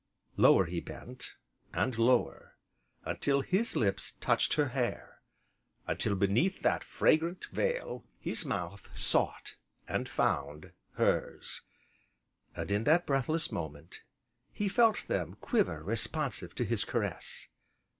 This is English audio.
Lower he bent, and lower, until his lips touched her hair, until beneath that fragrant veil, his mouth sought, and found, hers, and, in that breathless moment, he felt them quiver responsive to his caress.